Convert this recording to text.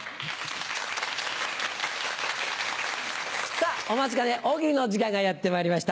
さぁお待ちかね「大喜利」の時間がやってまいりました。